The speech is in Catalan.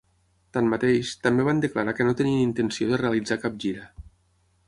Tanmateix, també van declarar que no tenien intenció de realitzar cap gira.